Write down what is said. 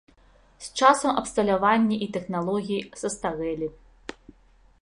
З часам абсталяванне і тэхналогіі састарэлі.